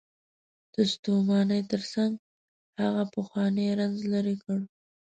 د ستومانۍ تر څنګ هغه پخوانی رنځ لرې کړ.